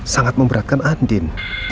sangat memberatkan andin